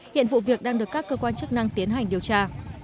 hiện vụ việc đang được các cơ quan chức năng tiến hành điều tra